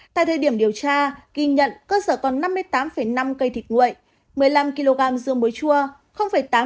tại thời điểm điều tra ghi nhận cơ sở còn năm mươi tám năm cây thịt nguội một mươi năm kg dưa mối chua